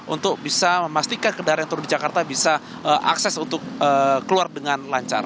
untuk bisa memastikan kendaraan yang turun di jakarta bisa akses untuk keluar dengan lancar